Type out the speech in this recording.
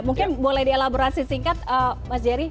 mungkin boleh dielaborasi singkat mas jerry